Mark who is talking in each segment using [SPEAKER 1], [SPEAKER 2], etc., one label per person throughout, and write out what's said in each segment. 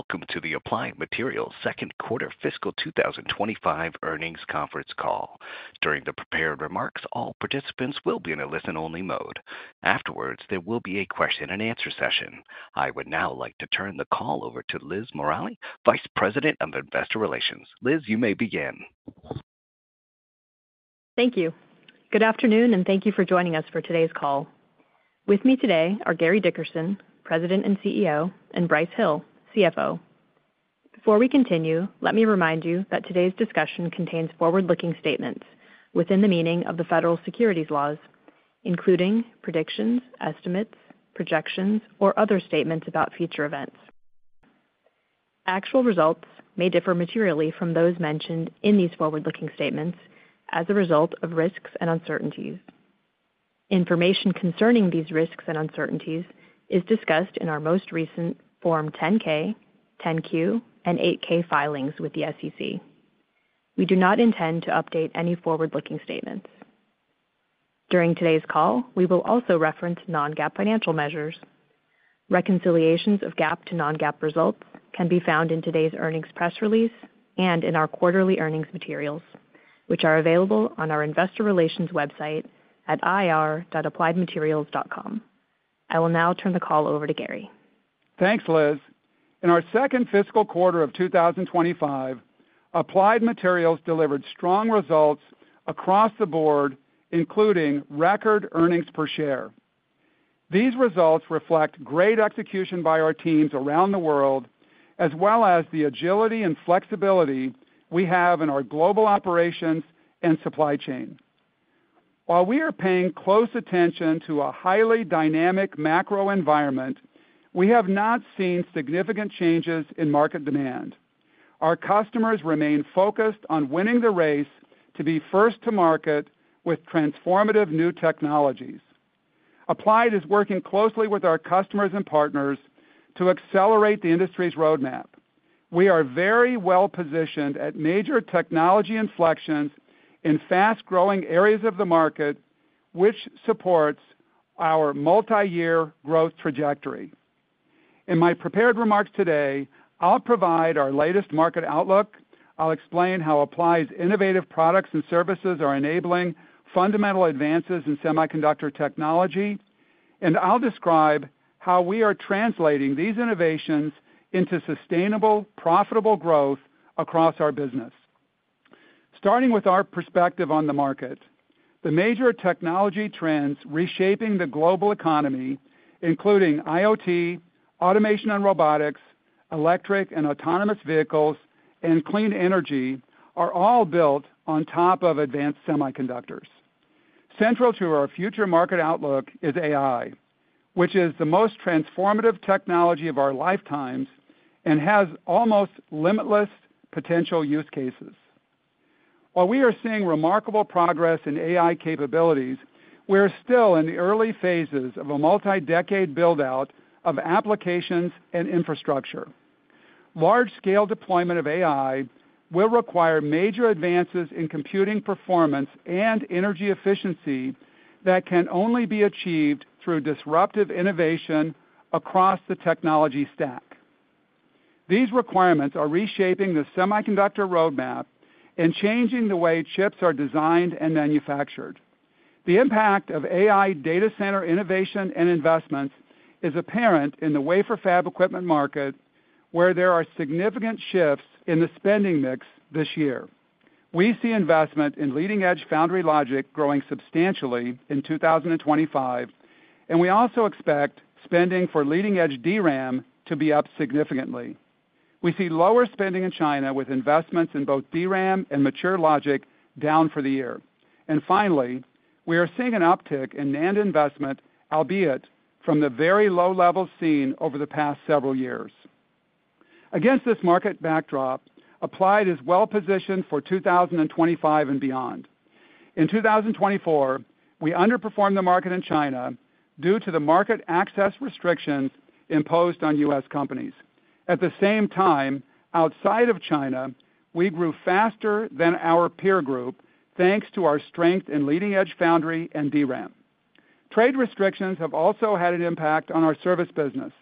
[SPEAKER 1] Welcome to the Applied Materials Second Quarter Fiscal 2025 Earnings Conference Call. During the prepared remarks, all participants will be in a listen-only mode. Afterwards, there will be a question-and-answer session. I would now like to turn the call over to Liz Morali, Vice President of Investor Relations. Liz, you may begin.
[SPEAKER 2] Thank you. Good afternoon, and thank you for joining us for today's call. With me today are Gary Dickerson, President and CEO, and Brice Hill, CFO. Before we continue, let me remind you that today's discussion contains forward-looking statements within the meaning of the federal securities laws, including predictions, estimates, projections, or other statements about future events. Actual results may differ materially from those mentioned in these forward-looking statements as a result of risks and uncertainties. Information concerning these risks and uncertainties is discussed in our most recent Form 10-K, 10-Q, and 8-K filings with the SEC. We do not intend to update any forward-looking statements. During today's call, we will also reference non-GAAP financial measures. Reconciliations of GAAP to non-GAAP results can be found in today's earnings press release and in our quarterly earnings materials, which are available on our Investor Relations website at ir.appliedmaterials.com. I will now turn the call over to Gary.
[SPEAKER 3] Thanks, Liz. In our second fiscal quarter of 2025, Applied Materials delivered strong results across the board, including record earnings per share. These results reflect great execution by our teams around the world, as well as the agility and flexibility we have in our global operations and supply chain. While we are paying close attention to a highly dynamic macro environment, we have not seen significant changes in market demand. Our customers remain focused on winning the race to be first to market with transformative new technologies. Applied is working closely with our customers and partners to accelerate the industry's roadmap. We are very well positioned at major technology inflections in fast-growing areas of the market, which supports our multi-year growth trajectory. In my prepared remarks today, I'll provide our latest market outlook. I'll explain how Applied's innovative products and services are enabling fundamental advances in semiconductor technology, and I'll describe how we are translating these innovations into sustainable, profitable growth across our business. Starting with our perspective on the market, the major technology trends reshaping the global economy, including IoT, automation and robotics, electric and autonomous vehicles, and clean energy, are all built on top of advanced semiconductors. Central to our future market outlook is AI, which is the most transformative technology of our lifetimes and has almost limitless potential use cases. While we are seeing remarkable progress in AI capabilities, we are still in the early phases of a multi-decade build-out of applications and infrastructure. Large-scale deployment of AI will require major advances in computing performance and energy efficiency that can only be achieved through disruptive innovation across the technology stack. These requirements are reshaping the semiconductor roadmap and changing the way chips are designed and manufactured. The impact of AI data center innovation and investments is apparent in the wafer fab equipment market, where there are significant shifts in the spending mix this year. We see investment in leading-edge foundry logic growing substantially in 2025, and we also expect spending for leading-edge DRAM to be up significantly. We see lower spending in China, with investments in both DRAM and mature logic down for the year. We are seeing an uptick in NAND investment, albeit from the very low levels seen over the past several years. Against this market backdrop, Applied is well positioned for 2025 and beyond. In 2024, we underperformed the market in China due to the market access restrictions imposed on U.S. companies. At the same time, outside of China, we grew faster than our peer group, thanks to our strength in leading-edge foundry and DRAM. Trade restrictions have also had an impact on our service business.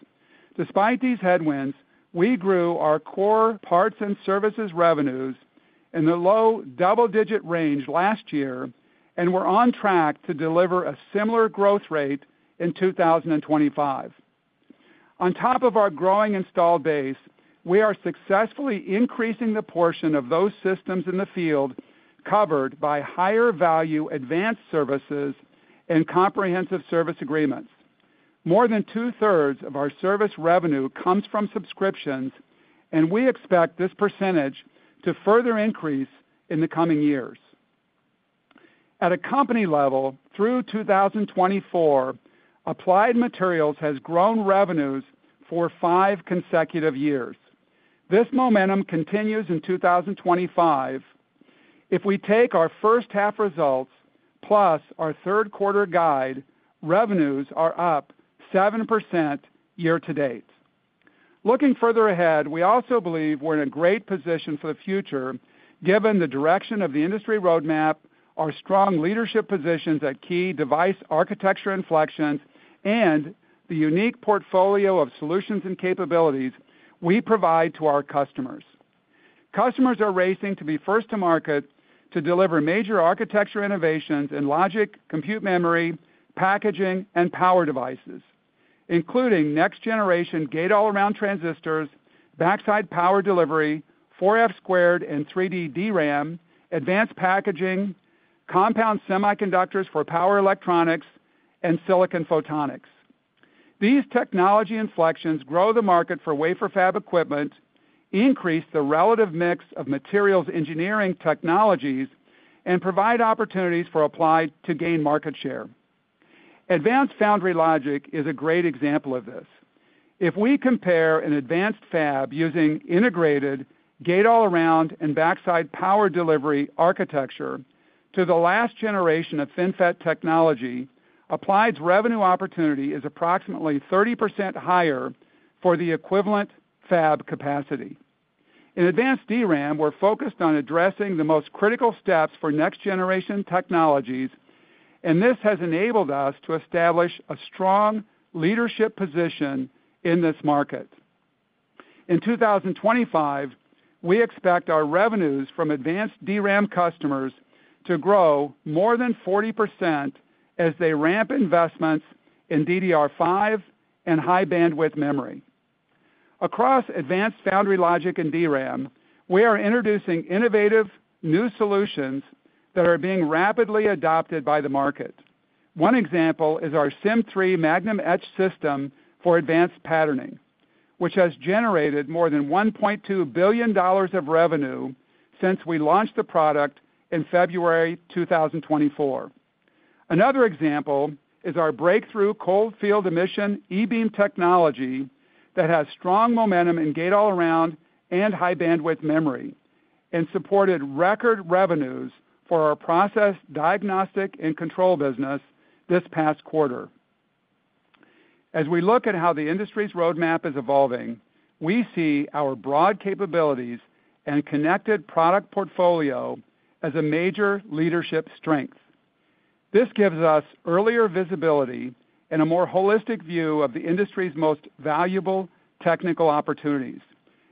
[SPEAKER 3] Despite these headwinds, we grew our core parts and services revenues in the low double-digit range last year and were on track to deliver a similar growth rate in 2025. On top of our growing installed base, we are successfully increasing the portion of those systems in the field covered by higher-value advanced services and comprehensive service agreements. More than two-thirds of our service revenue comes from subscriptions, and we expect this percentage to further increase in the coming years. At a company level, through 2024, Applied Materials has grown revenues for five consecutive years. This momentum continues in 2025. If we take our first half results plus our third quarter guide, revenues are up 7% year to date. Looking further ahead, we also believe we're in a great position for the future, given the direction of the industry roadmap, our strong leadership positions at key device architecture inflections, and the unique portfolio of solutions and capabilities we provide to our customers. Customers are racing to be first to market to deliver major architecture innovations in logic, compute memory, packaging, and power devices, including next-generation gate-all-around transistors, backside power delivery, 4F² and 3D DRAM, advanced packaging, compound semiconductors for power electronics, and silicon photonics. These technology inflections grow the market for wafer fab equipment, increase the relative mix of materials engineering technologies, and provide opportunities for Applied to gain market share. Advanced foundry logic is a great example of this. If we compare an advanced fab using integrated gate-all-around and backside power delivery architecture to the last generation of FinFET technology, Applied's revenue opportunity is approximately 30% higher for the equivalent fab capacity. In advanced DRAM, we're focused on addressing the most critical steps for next-generation technologies, and this has enabled us to establish a strong leadership position in this market. In 2025, we expect our revenues from advanced DRAM customers to grow more than 40% as they ramp investments in DDR5 and high-bandwidth memory. Across advanced foundry logic and DRAM, we are introducing innovative new solutions that are being rapidly adopted by the market. One example is our Sym3 Magnum Etch system for advanced patterning, which has generated more than $1.2 billion of revenue since we launched the product in February 2024. Another example is our breakthrough cold field emission e-beam technology that has strong momentum in gate-all-around and high-bandwidth memory and supported record revenues for our process diagnostic and control business this past quarter. As we look at how the industry's roadmap is evolving, we see our broad capabilities and connected product portfolio as a major leadership strength. This gives us earlier visibility and a more holistic view of the industry's most valuable technical opportunities.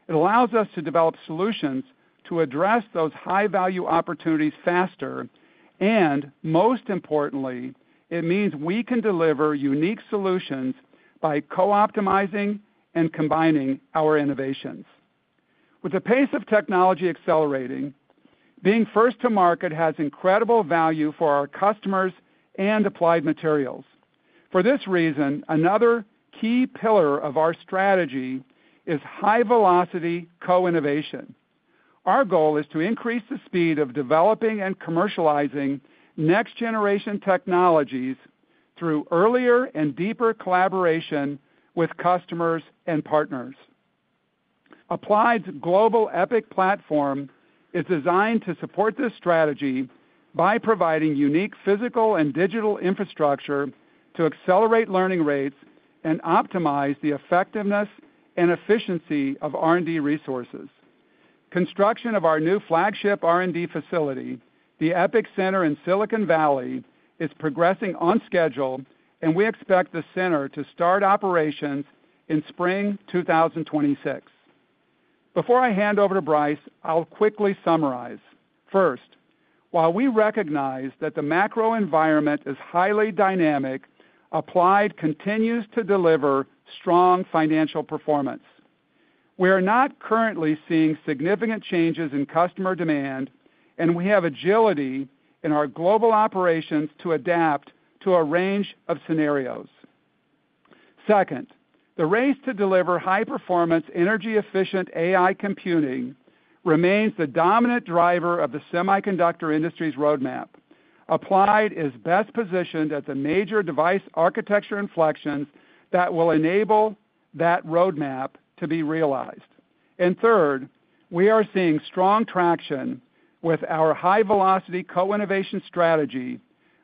[SPEAKER 3] It allows us to develop solutions to address those high-value opportunities faster, and most importantly, it means we can deliver unique solutions by co-optimizing and combining our innovations. With the pace of technology accelerating, being first to market has incredible value for our customers and Applied Materials. For this reason, another key pillar of our strategy is high-velocity co-innovation. Our goal is to increase the speed of developing and commercializing next-generation technologies through earlier and deeper collaboration with customers and partners. Applied's global EPIC platform is designed to support this strategy by providing unique physical and digital infrastructure to accelerate learning rates and optimize the effectiveness and efficiency of R&D resources. Construction of our new flagship R&D facility, the EPIC Center in Silicon Valley, is progressing on schedule, and we expect the center to start operations in spring 2026. Before I hand over to Brice, I'll quickly summarize. First, while we recognize that the macro environment is highly dynamic, Applied continues to deliver strong financial performance. We are not currently seeing significant changes in customer demand, and we have agility in our global operations to adapt to a range of scenarios. Second, the race to deliver high-performance, energy-efficient AI computing remains the dominant driver of the semiconductor industry's roadmap. Applied is best positioned as a major device architecture inflection that will enable that roadmap to be realized. Third, we are seeing strong traction with our high-velocity co-innovation strategy,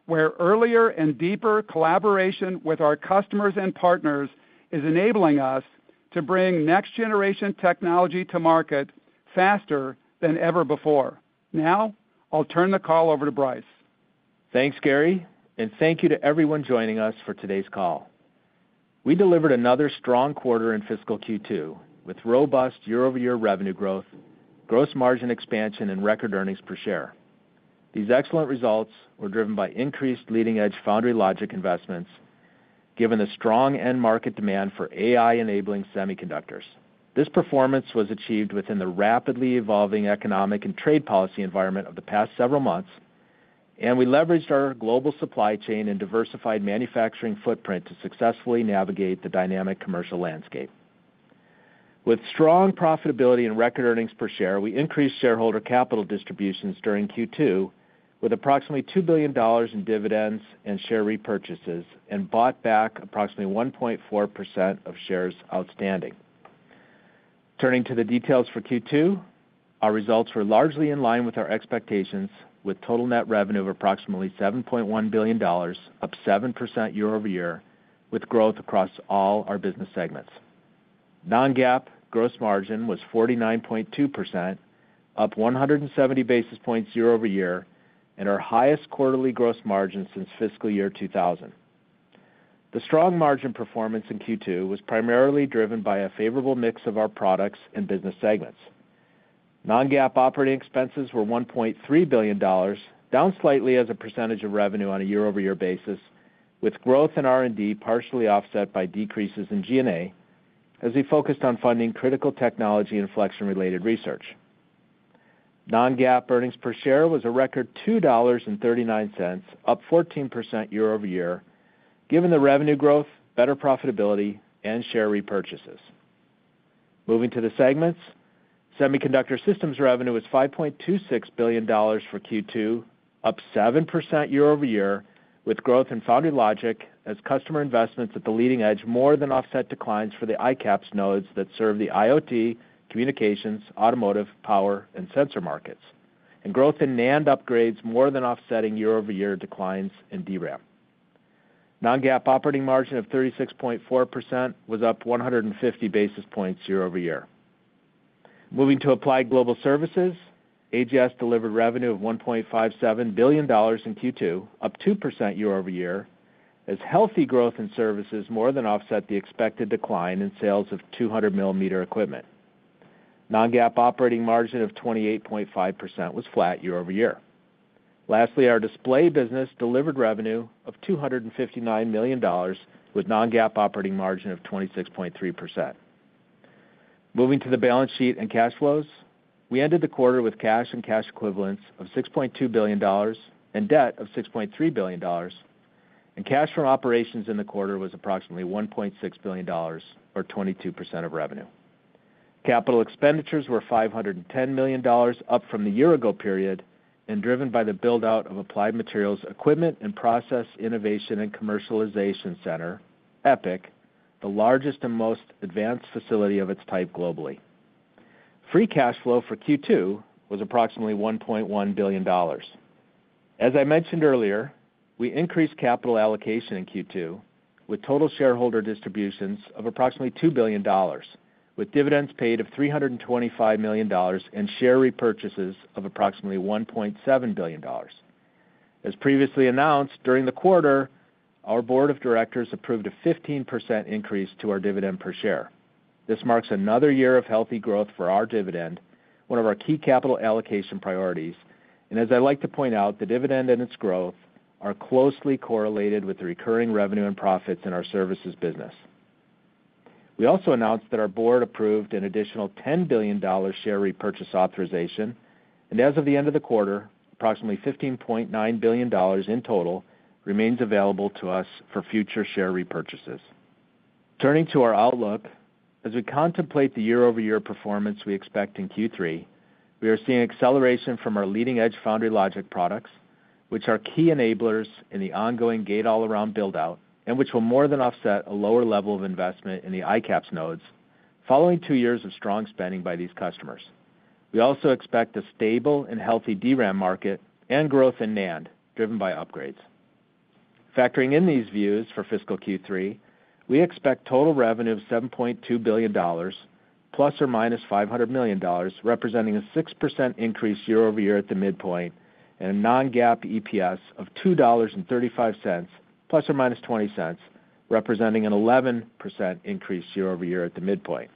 [SPEAKER 3] where earlier and deeper collaboration with our customers and partners is enabling us to bring next-generation technology to market faster than ever before. Now, I'll turn the call over to Brice.
[SPEAKER 4] Thanks, Gary, and thank you to everyone joining us for today's call. We delivered another strong quarter in fiscal Q2 with robust year-over-year revenue growth, gross margin expansion, and record earnings per share. These excellent results were driven by increased leading-edge foundry logic investments, given the strong end-market demand for AI-enabling semiconductors. This performance was achieved within the rapidly evolving economic and trade policy environment of the past several months, and we leveraged our global supply chain and diversified manufacturing footprint to successfully navigate the dynamic commercial landscape. With strong profitability and record earnings per share, we increased shareholder capital distributions during Q2 with approximately $2 billion in dividends and share repurchases and bought back approximately 1.4% of shares outstanding. Turning to the details for Q2, our results were largely in line with our expectations, with total net revenue of approximately $7.1 billion, up 7% year-over-year, with growth across all our business segments. Non-GAAP gross margin was 49.2%, up 170 basis points year-over-year, and our highest quarterly gross margin since fiscal year 2000. The strong margin performance in Q2 was primarily driven by a favorable mix of our products and business segments. Non-GAAP operating expenses were $1.3 billion, down slightly as a percentage of revenue on a year-over-year basis, with growth in R&D partially offset by decreases in G&A as we focused on funding critical technology inflection-related research. Non-GAAP earnings per share was a record $2.39, up 14% year-over-year, given the revenue growth, better profitability, and share repurchases. Moving to the segments, semiconductor systems revenue was $5.26 billion for Q2, up 7% year-over-year, with growth in foundry logic as customer investments at the leading edge more than offset declines for the ICAPS nodes that serve the IoT, communications, automotive, power, and sensor markets, and growth in NAND upgrades more than offsetting year-over-year declines in DRAM. Non-GAAP operating margin of 36.4% was up 150 basis points year-over-year. Moving to Applied Global Services, AGS delivered revenue of $1.57 billion in Q2, up 2% year-over-year, as healthy growth in services more than offset the expected decline in sales of 200 mm equipment. Non-GAAP operating margin of 28.5% was flat year-over-year. Lastly, our display business delivered revenue of $259 million, with Non-GAAP operating margin of 26.3%. Moving to the balance sheet and cash flows, we ended the quarter with cash and cash equivalents of $6.2 billion and debt of $6.3 billion, and cash from operations in the quarter was approximately $1.6 billion, or 22% of revenue. Capital expenditures were $510 million, up from the year-ago period, and driven by the build-out of Applied Materials Equipment and Process Innovation and Commercialization Center, EPIC, the largest and most advanced facility of its type globally. Free cash flow for Q2 was approximately $1.1 billion. As I mentioned earlier, we increased capital allocation in Q2, with total shareholder distributions of approximately $2 billion, with dividends paid of $325 million and share repurchases of approximately $1.7 billion. As previously announced, during the quarter, our board of directors approved a 15% increase to our dividend per share. This marks another year of healthy growth for our dividend, one of our key capital allocation priorities, and as I like to point out, the dividend and its growth are closely correlated with the recurring revenue and profits in our services business. We also announced that our board approved an additional $10 billion share repurchase authorization, and as of the end of the quarter, approximately $15.9 billion in total remains available to us for future share repurchases. Turning to our outlook, as we contemplate the year-over-year performance we expect in Q3, we are seeing acceleration from our leading-edge foundry logic products, which are key enablers in the ongoing gate-all-around build-out and which will more than offset a lower level of investment in the ICAPS nodes following two years of strong spending by these customers. We also expect a stable and healthy DRAM market and growth in NAND driven by upgrades. Factoring in these views for fiscal Q3, we expect total revenue of $7.2 billion, ±$500 million, representing a 6% increase year-over-year at the midpoint, and a non-GAAP EPS of $2.35, ±$0.20, representing an 11% increase year-over-year at the midpoint.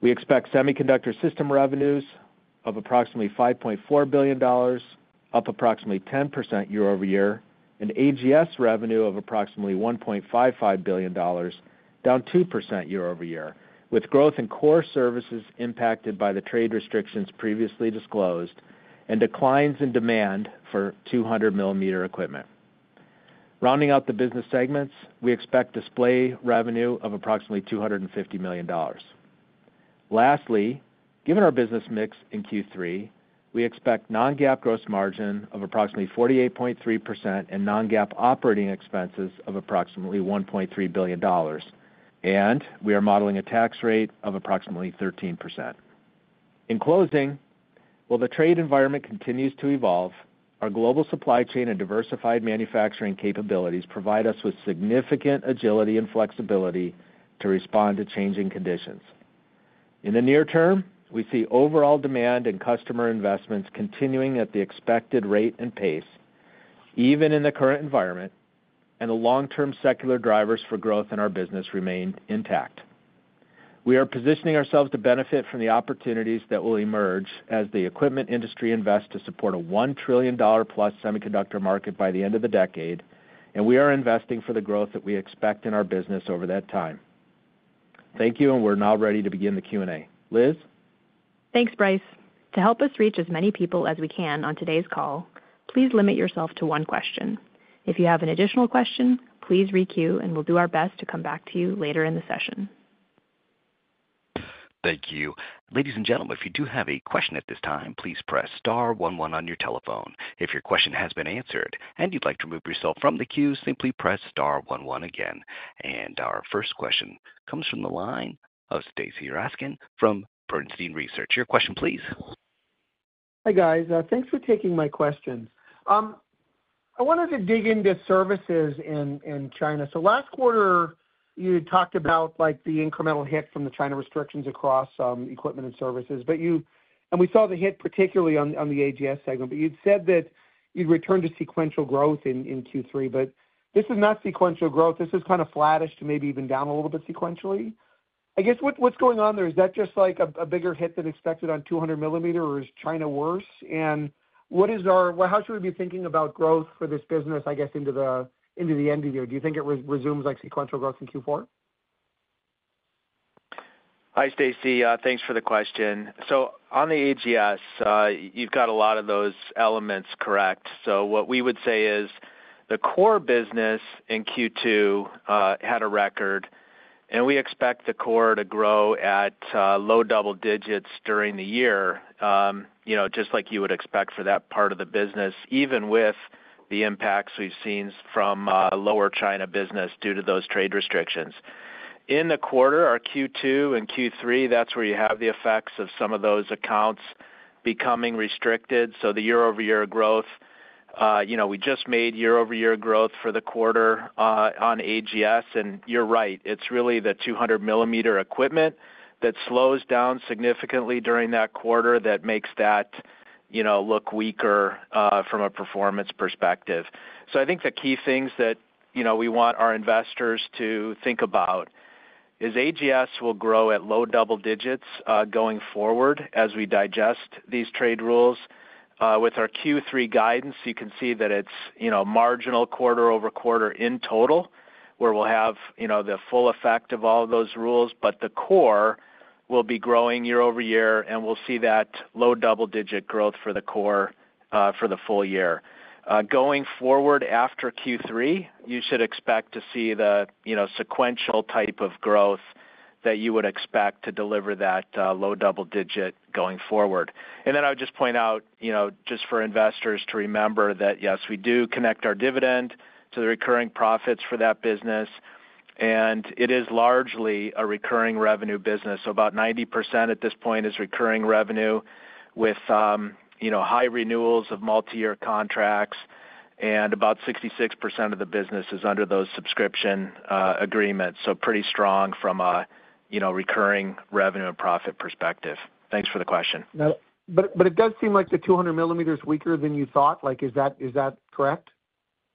[SPEAKER 4] We expect semiconductor system revenues of approximately $5.4 billion, up approximately 10% year-over-year, and AGS revenue of approximately $1.55 billion, down 2% year-over-year, with growth in core services impacted by the trade restrictions previously disclosed and declines in demand for 200 mm equipment. Rounding out the business segments, we expect display revenue of approximately $250 million. Lastly, given our business mix in Q3, we expect non-GAAP gross margin of approximately 48.3% and non-GAAP operating expenses of approximately $1.3 billion, and we are modeling a tax rate of approximately 13%. In closing, while the trade environment continues to evolve, our global supply chain and diversified manufacturing capabilities provide us with significant agility and flexibility to respond to changing conditions. In the near term, we see overall demand and customer investments continuing at the expected rate and pace, even in the current environment, and the long-term secular drivers for growth in our business remain intact. We are positioning ourselves to benefit from the opportunities that will emerge as the equipment industry invests to support a $1+ trillion semiconductor market by the end of the decade, and we are investing for the growth that we expect in our business over that time. Thank you, and we're now ready to begin the Q&A. Liz?
[SPEAKER 2] Thanks, Brice. To help us reach as many people as we can on today's call, please limit yourself to one question. If you have an additional question, please re-queue, and we'll do our best to come back to you later in the session.
[SPEAKER 1] Thank you. Ladies and gentlemen, if you do have a question at this time, please press star 11 on your telephone. If your question has been answered and you'd like to remove yourself from the queue, simply press star 11 again. Our first question comes from the line of Stacy Rasgon from Bernstein Research. Your question, please.
[SPEAKER 5] Hey, guys. Thanks for taking my questions. I wanted to dig into services in China. Last quarter, you had talked about the incremental hit from the China restrictions across equipment and services, and we saw the hit particularly on the AGS segment. You had said that you would return to sequential growth in Q3, but this is not sequential growth. This is kind of flattish to maybe even down a little bit sequentially. I guess what is going on there? Is that just a bigger hit than expected on 200 mm, or is China worse? How should we be thinking about growth for this business into the end of the year? Do you think it resumes sequential growth in Q4?
[SPEAKER 4] Hi, Stacy. Thanks for the question. On the AGS, you've got a lot of those elements correct. What we would say is the core business in Q2 had a record, and we expect the core to grow at low double digits during the year, just like you would expect for that part of the business, even with the impacts we've seen from lower China business due to those trade restrictions. In the quarter, our Q2 and Q3, that's where you have the effects of some of those accounts becoming restricted. The year-over-year growth, we just made year-over-year growth for the quarter on AGS, and you're right. It's really the 200 mm equipment that slows down significantly during that quarter that makes that look weaker from a performance perspective. I think the key things that we want our investors to think about is AGS will grow at low double digits going forward as we digest these trade rules. With our Q3 guidance, you can see that it is marginal quarter-over-quarter in total, where we will have the full effect of all of those rules, but the core will be growing year-over-year, and we will see that low double-digit growth for the core for the full year. Going forward after Q3, you should expect to see the sequential type of growth that you would expect to deliver that low double-digit going forward. I would just point out, just for investors to remember that, yes, we do connect our dividend to the recurring profits for that business, and it is largely a recurring revenue business. About 90% at this point is recurring revenue with high renewals of multi-year contracts, and about 66% of the business is under those subscription agreements. Pretty strong from a recurring revenue and profit perspective. Thanks for the question.
[SPEAKER 5] It does seem like the 200 mm weaker than you thought. Is that correct?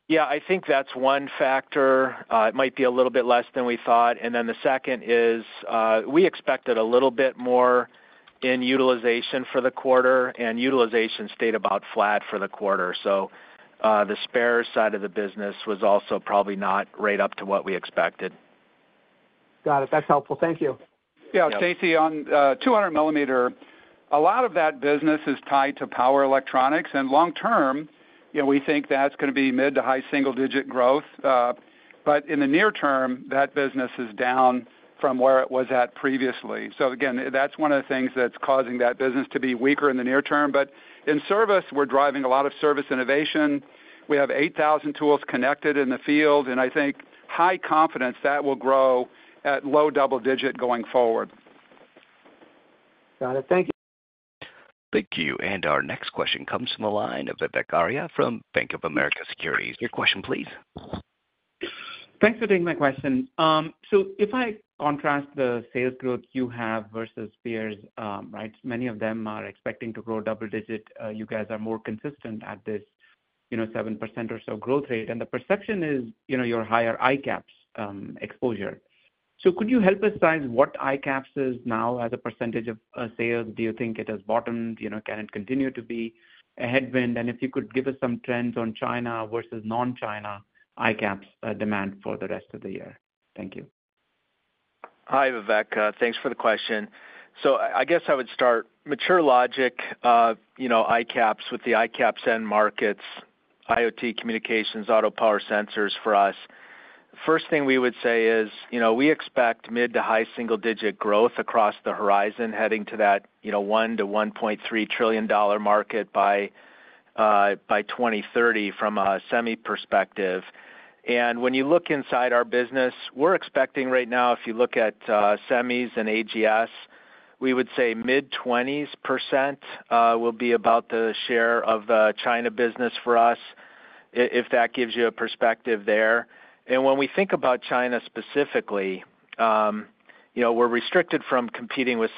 [SPEAKER 4] Yeah. I think that's one factor. It might be a little bit less than we thought. The second is we expected a little bit more in utilization for the quarter, and utilization stayed about flat for the quarter. The spare side of the business was also probably not right up to what we expected.
[SPEAKER 5] Got it. That's helpful. Thank you.
[SPEAKER 3] Yeah. Stacy, on 200 mm, a lot of that business is tied to power electronics, and long term, we think that's going to be mid to high single-digit growth. In the near term, that business is down from where it was at previously. Again, that's one of the things that's causing that business to be weaker in the near term. In service, we're driving a lot of service innovation. We have 8,000 tools connected in the field, and I think high confidence that will grow at low double-digit going forward.
[SPEAKER 5] Got it. Thank you.
[SPEAKER 1] Thank you. Our next question comes from the line of Vivek Arya from Bank of America Securities. Your question, please.
[SPEAKER 6] Thanks for taking my question. If I contrast the sales growth you have versus peers, right, many of them are expecting to grow double-digit. You guys are more consistent at this 7% or so growth rate, and the perception is your higher ICAPS exposure. Could you help us size what ICAPS is now as a percentage of sales? Do you think it has bottomed? Can it continue to be a headwind? If you could give us some trends on China versus non-China ICAPS demand for the rest of the year. Thank you.
[SPEAKER 4] Hi, Vivek. Thanks for the question. I guess I would start mature logic ICAPS with the ICAPS end markets, IoT, communications, auto, power, sensors for us. First thing we would say is we expect mid- to high single-digit growth across the horizon heading to that $1 trillion to $1.3 trillion market by 2030 from a semi perspective. When you look inside our business, we're expecting right now, if you look at semis and AGS, we would say mid-20% will be about the share of the China business for us, if that gives you a perspective there. When we think about China specifically, we're restricted from competing in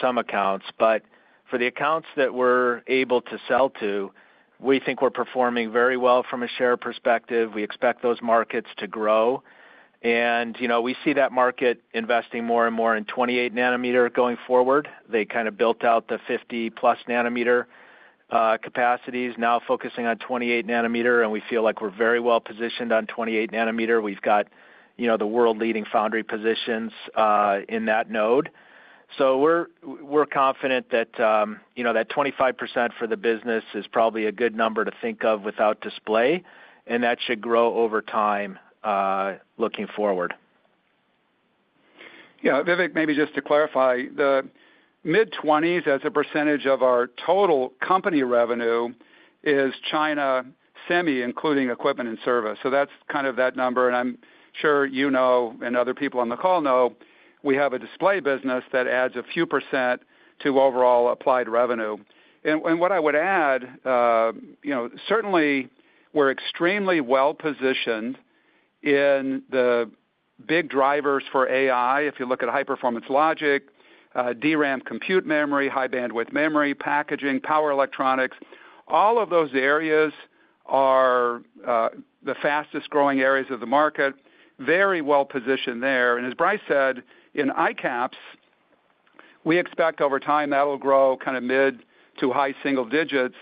[SPEAKER 4] some accounts, but for the accounts that we're able to sell to, we think we're performing very well from a share perspective. We expect those markets to grow. We see that market investing more and more in 28 nm going forward. They kind of built out the 50+ nm capacities, now focusing on 28 nm, and we feel like we're very well positioned on 28 nm. We've got the world-leading foundry positions in that node. We're confident that that 25% for the business is probably a good number to think of without display, and that should grow over time looking forward.
[SPEAKER 3] Yeah. Vivek, maybe just to clarify, the mid-20s as a percentage of our total company revenue is China semi, including equipment and service. That is kind of that number. I am sure you know and other people on the call know we have a display business that adds a few per cent to overall Applied revenue. What I would add, certainly, we are extremely well positioned in the big drivers for AI. If you look at high-performance logic, DRAM compute memory, high-bandwidth memory, packaging, power electronics, all of those areas are the fastest-growing areas of the market, very well positioned there. As Brice said, in ICAPS, we expect over time that will grow kind of mid to high single digits.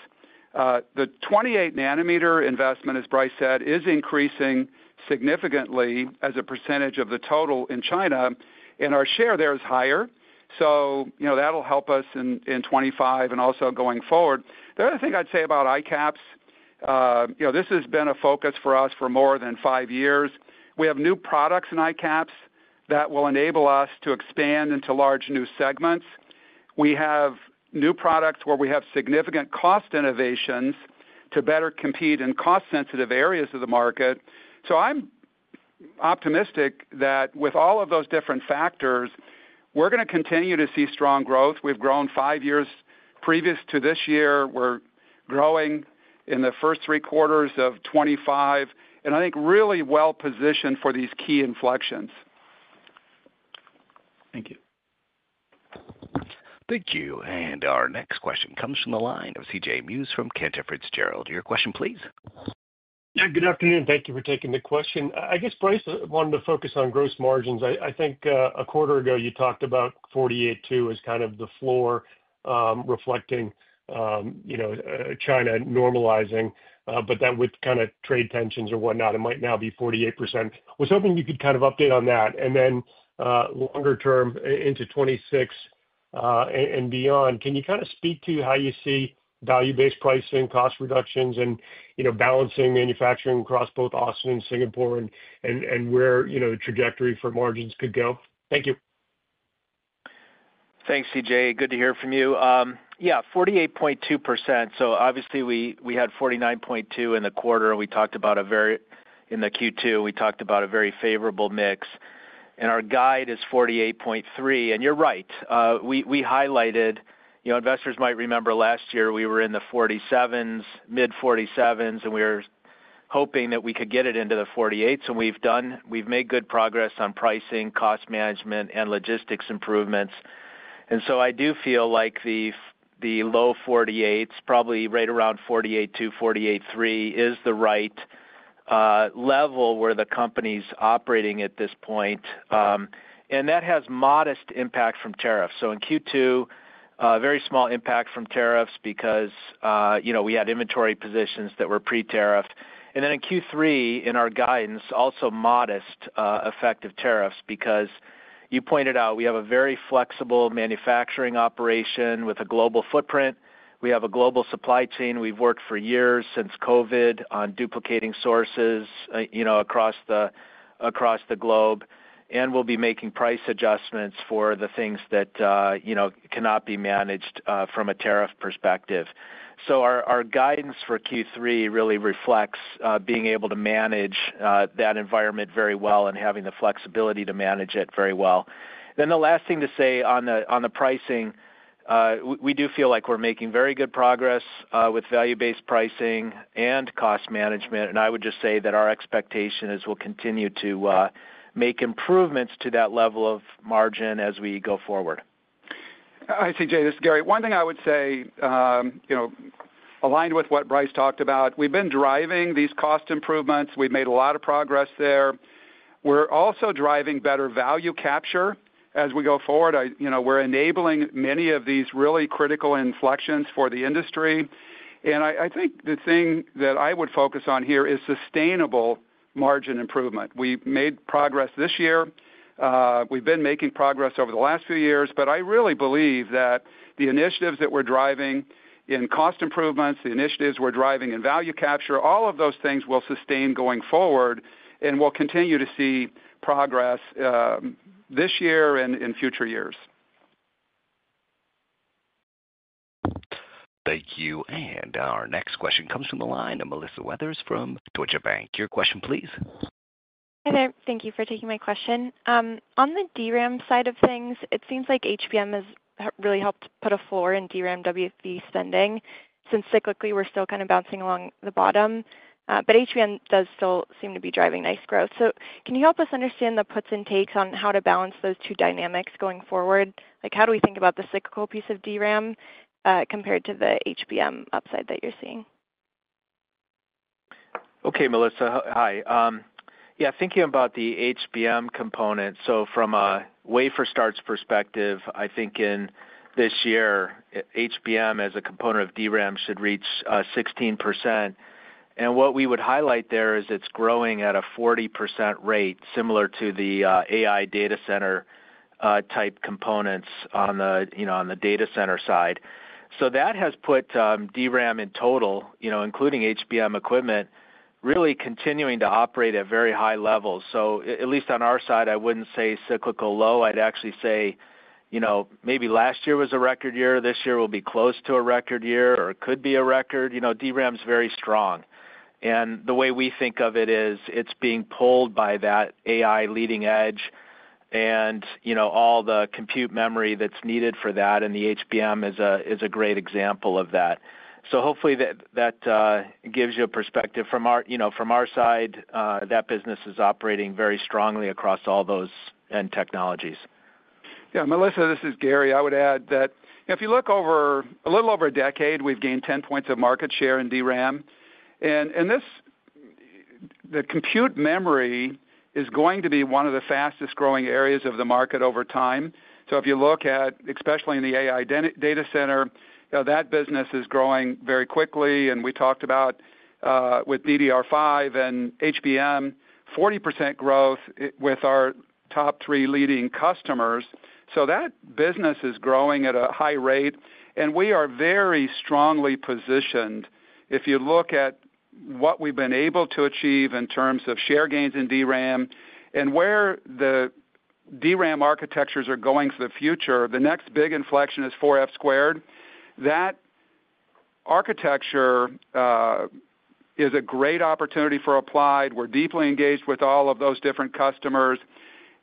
[SPEAKER 3] The 28 nm investment, as Brice said, is increasing significantly as a % of the total in China, and our share there is higher. That'll help us in 2025 and also going forward. The other thing I'd say about ICAPS, this has been a focus for us for more than five years. We have new products in ICAPS that will enable us to expand into large new segments. We have new products where we have significant cost innovations to better compete in cost-sensitive areas of the market. I'm optimistic that with all of those different factors, we're going to continue to see strong growth. We've grown five years previous to this year. We're growing in the first three quarters of 2025, and I think really well positioned for these key inflections.
[SPEAKER 6] Thank you.
[SPEAKER 1] Thank you. Our next question comes from the line of CJ Muse from Cantor Fitzgerald. Your question, please.
[SPEAKER 7] Yeah. Good afternoon. Thank you for taking the question. I guess, Brice, wanted to focus on gross margins. I think a quarter ago, you talked about 48.2% as kind of the floor reflecting China normalizing, but that with kind of trade tensions or whatnot, it might now be 48%. I was hoping you could kind of update on that. Then longer term into 2026 and beyond, can you kind of speak to how you see value-based pricing, cost reductions, and balancing manufacturing across both Austin and Singapore, and where the trajectory for margins could go? Thank you.
[SPEAKER 4] Thanks, CJ. Good to hear from you. Yeah, 48.2%. Obviously, we had 49.2% in the quarter. We talked about a very, in the Q2, we talked about a very favorable mix. Our guide is 48.3%. You're right. We highlighted investors might remember last year we were in the 47s, mid-47s, and we were hoping that we could get it into the 48s. We've made good progress on pricing, cost management, and logistics improvements. I do feel like the low 48s, probably right around 48.2%, 48.3%, is the right level where the company's operating at this point. That has modest impact from tariffs. In Q2, very small impact from tariffs because we had inventory positions that were pre-tariffed. In Q3, in our guidance, also modest effect of tariffs because you pointed out we have a very flexible manufacturing operation with a global footprint. We have a global supply chain. We've worked for years since COVID on duplicating sources across the globe, and we'll be making price adjustments for the things that cannot be managed from a tariff perspective. Our guidance for Q3 really reflects being able to manage that environment very well and having the flexibility to manage it very well. The last thing to say on the pricing, we do feel like we're making very good progress with value-based pricing and cost management. I would just say that our expectation is we'll continue to make improvements to that level of margin as we go forward.
[SPEAKER 3] Hi, CJ. This is Gary. One thing I would say, aligned with what Brice talked about, we've been driving these cost improvements. We've made a lot of progress there. We're also driving better value capture as we go forward. We're enabling many of these really critical inflections for the industry. I think the thing that I would focus on here is sustainable margin improvement. We made progress this year. We've been making progress over the last few years, but I really believe that the initiatives that we're driving in cost improvements, the initiatives we're driving in value capture, all of those things will sustain going forward, and we'll continue to see progress this year and in future years.
[SPEAKER 1] Thank you. Our next question comes from the line of Melissa Weathers from Deutsche Bank. Your question, please.
[SPEAKER 8] Hi there. Thank you for taking my question. On the DRAM side of things, it seems like HBM has really helped put a floor in DRAM WFV spending since cyclically we're still kind of bouncing along the bottom. HBM does still seem to be driving nice growth. Can you help us understand the puts and takes on how to balance those two dynamics going forward? How do we think about the cyclical piece of DRAM compared to the HBM upside that you're seeing?
[SPEAKER 4] Okay, Melissa. Hi. Yeah. Thinking about the HBM component, so from a wafer starts perspective, I think in this year, HBM as a component of DRAM should reach 16%. What we would highlight there is it's growing at a 40% rate, similar to the AI data center type components on the data center side. That has put DRAM in total, including HBM equipment, really continuing to operate at very high levels. At least on our side, I wouldn't say cyclical low. I'd actually say maybe last year was a record year. This year will be close to a record year or could be a record. DRAM's very strong. The way we think of it is it's being pulled by that AI leading edge and all the compute memory that's needed for that. The HBM is a great example of that. Hopefully that gives you a perspective. From our side, that business is operating very strongly across all those end technologies.
[SPEAKER 3] Yeah. Melissa, this is Gary. I would add that if you look over a little over a decade, we've gained 10 points of market share in DRAM. The compute memory is going to be one of the fastest-growing areas of the market over time. If you look at, especially in the AI data center, that business is growing very quickly. We talked about with DDR5 and HBM, 40% growth with our top three leading customers. That business is growing at a high rate. We are very strongly positioned. If you look at what we've been able to achieve in terms of share gains in DRAM and where the DRAM architectures are going for the future, the next big inflection is 4F². That architecture is a great opportunity for Applied. We're deeply engaged with all of those different customers.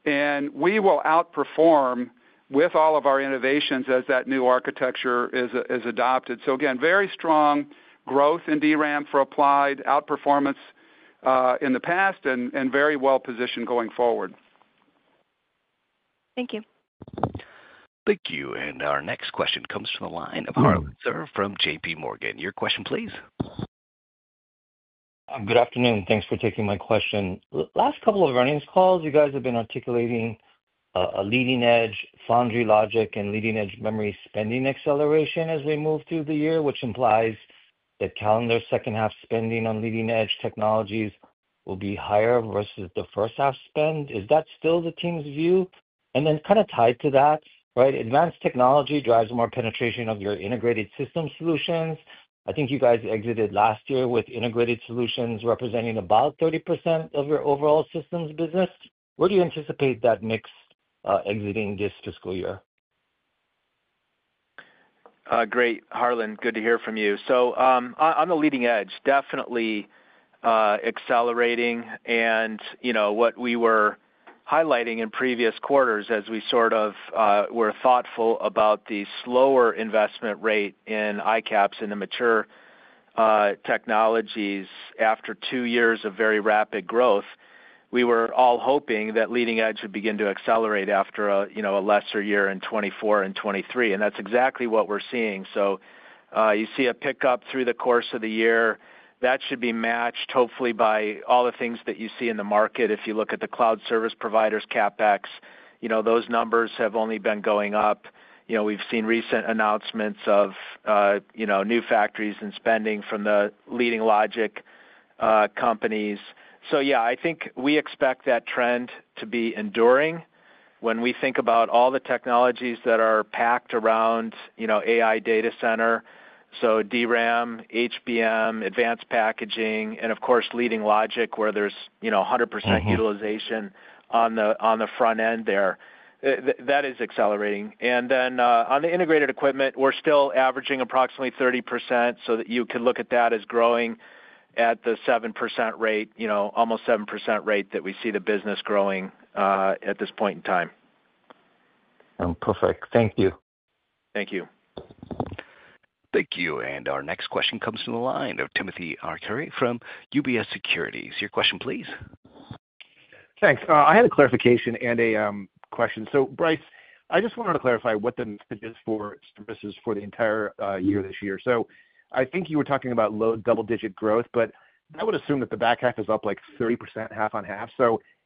[SPEAKER 3] We will outperform with all of our innovations as that new architecture is adopted. Again, very strong growth in DRAM for Applied outperformance in the past and very well positioned going forward.
[SPEAKER 8] Thank you.
[SPEAKER 1] Thank you. Our next question comes from the line of Harlan Sur from JPMorgan. Your question, please.
[SPEAKER 9] Good afternoon. Thanks for taking my question. Last couple of earnings calls, you guys have been articulating a leading edge foundry logic and leading edge memory spending acceleration as we move through the year, which implies that calendar second-half spending on leading edge technologies will be higher versus the first-half spend. Is that still the team's view? Then kind of tied to that, right, advanced technology drives more penetration of your integrated system solutions. I think you guys exited last year with integrated solutions representing about 30% of your overall systems business. Where do you anticipate that mix exiting this fiscal year?
[SPEAKER 4] Great. Harlan, good to hear from you. On the leading edge, definitely accelerating. What we were highlighting in previous quarters as we sort of were thoughtful about the slower investment rate in ICAPS and the mature technologies after two years of very rapid growth, we were all hoping that leading edge would begin to accelerate after a lesser year in 2024 and 2023. That is exactly what we are seeing. You see a pickup through the course of the year. That should be matched hopefully by all the things that you see in the market. If you look at the cloud service providers, CapEx, those numbers have only been going up. We have seen recent announcements of new factories and spending from the leading logic companies. Yeah, I think we expect that trend to be enduring when we think about all the technologies that are packed around AI data center. DRAM, HBM, advanced packaging, and of course, leading logic where there's 100% utilization on the front end there. That is accelerating. Then on the integrated equipment, we're still averaging approximately 30%. You could look at that as growing at the 7% rate, almost 7% rate that we see the business growing at this point in time.
[SPEAKER 9] Perfect. Thank you.
[SPEAKER 4] Thank you.
[SPEAKER 1] Thank you. Our next question comes from the line of Timothy Arcuri from UBS Securities. Your question, please.
[SPEAKER 10] Thanks. I had a clarification and a question. Brice, I just wanted to clarify what the message is for services for the entire year this year. I think you were talking about low double-digit growth, but I would assume that the back half is up like 30%, half on half.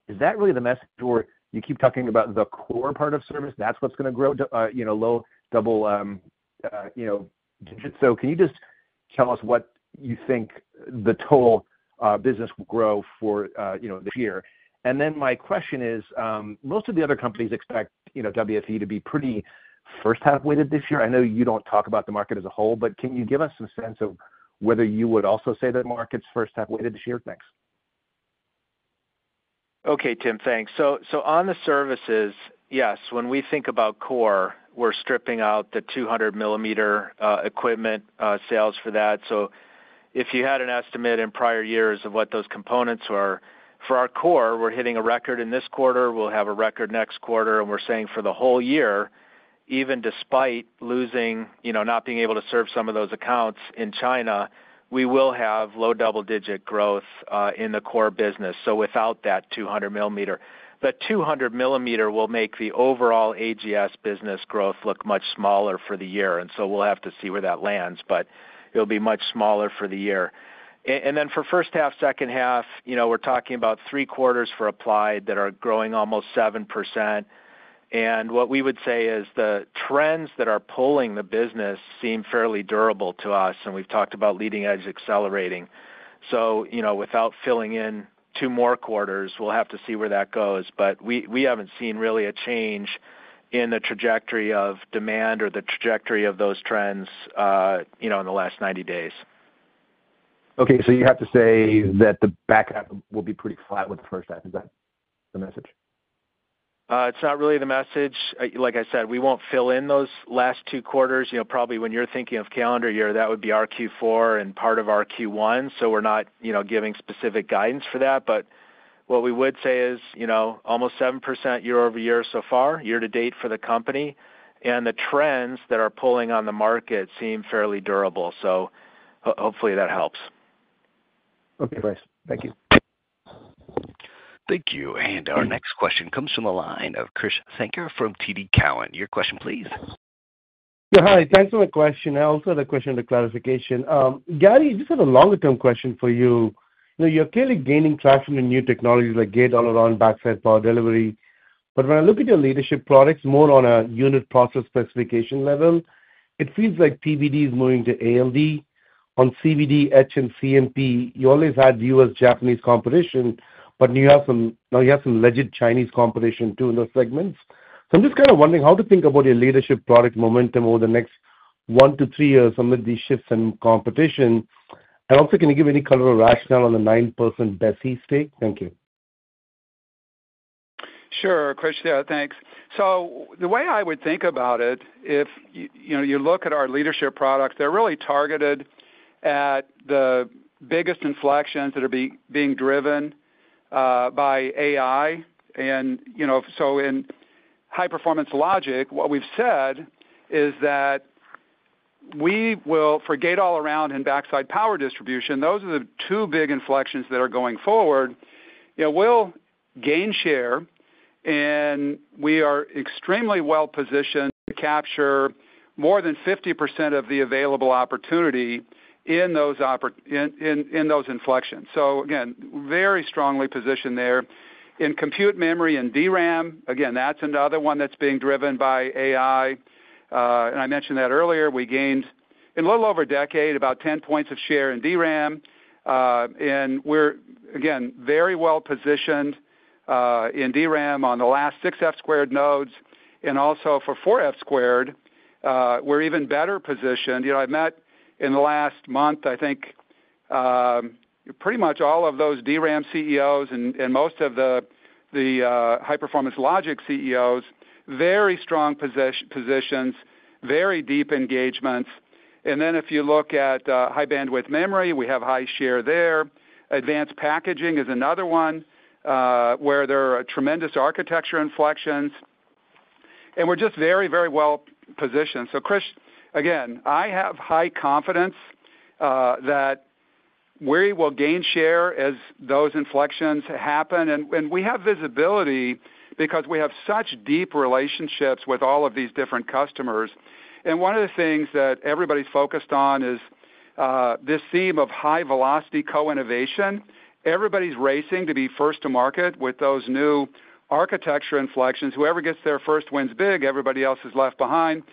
[SPEAKER 10] Is that really the message where you keep talking about the core part of service? That's what's going to grow, low double digits. Can you just tell us what you think the total business will grow for this year? My question is, most of the other companies expect WFV to be pretty first-half weighted this year. I know you do not talk about the market as a whole, but can you give us some sense of whether you would also say that market's first-half weighted this year? Thanks.
[SPEAKER 4] Okay, Tim, thanks. On the services, yes, when we think about core, we're stripping out the 200 mm equipment sales for that. If you had an estimate in prior years of what those components were, for our core, we're hitting a record in this quarter. We'll have a record next quarter. We're saying for the whole year, even despite losing, not being able to serve some of those accounts in China, we will have low double-digit growth in the core business. Without that 200 mm, the 200 mm will make the overall AGS business growth look much smaller for the year. We'll have to see where that lands, but it'll be much smaller for the year. For first-half, second-half, we're talking about three quarters for Applied that are growing almost 7%. What we would say is the trends that are pulling the business seem fairly durable to us. We have talked about leading edge accelerating. Without filling in two more quarters, we will have to see where that goes. We have not seen really a change in the trajectory of demand or the trajectory of those trends in the last 90 days.
[SPEAKER 10] Okay. So you have to say that the back half will be pretty flat with the first half. Is that the message?
[SPEAKER 4] It's not really the message. Like I said, we won't fill in those last two quarters. Probably when you're thinking of calendar year, that would be Q4 and part of Q1. We are not giving specific guidance for that. What we would say is almost 7% year over year so far, year to date for the company. The trends that are pulling on the market seem fairly durable. Hopefully that helps.
[SPEAKER 10] Okay, Brice. Thank you.
[SPEAKER 1] Thank you. Our next question comes from the line of Krish Sankar from TD Cowen. Your question, please.
[SPEAKER 11] Yeah. Hi. Thanks for the question. I also had a question of clarification. Gary, just have a longer-term question for you. You're clearly gaining traction in new technologies like gate-all-around, backside power delivery. When I look at your leadership products more on a unit process specification level, it feels like PVD is moving to AMD. On CVD, etch, and CMP, you always had U.S.-Japanese competition, but now you have some legit Chinese competition too in those segments. I'm just kind of wondering how to think about your leadership product momentum over the next one to three years amid these shifts in competition. Also, can you give any color or rationale on the 9% Besi stake? Thank you.
[SPEAKER 3] Sure, Krish. Yeah, thanks. The way I would think about it, if you look at our leadership products, they're really targeted at the biggest inflections that are being driven by AI. In high-performance logic, what we've said is that we will, for gate-all-around and backside power distribution, those are the two big inflections that are going forward. We'll gain share, and we are extremely well positioned to capture more than 50% of the available opportunity in those inflections. Again, very strongly positioned there. In compute memory and DRAM, that's another one that's being driven by AI. I mentioned that earlier. We gained, in a little over a decade, about 10 points of share in DRAM. We're, again, very well positioned in DRAM on the last 6F² nodes. Also for 4F², we're even better positioned. I've met in the last month, I think, pretty much all of those DRAM CEOs and most of the high-performance logic CEOs, very strong positions, very deep engagements. If you look at high-bandwidth memory, we have high share there. Advanced packaging is another one where there are tremendous architecture inflections. We're just very, very well positioned. Krish, again, I have high confidence that we will gain share as those inflections happen. We have visibility because we have such deep relationships with all of these different customers. One of the things that everybody's focused on is this theme of high-velocity co-innovation. Everybody's racing to be first to market with those new architecture inflections. Whoever gets there first wins big. Everybody else is left behind.